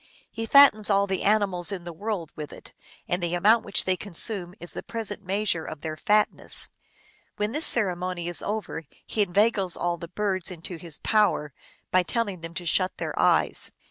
He fattens all the animals in the world with it, and the amount which they con sume is the present measure of their fatness. When this ceremony is over, he inveigles all the birds into his power by telling them to shut their eyes.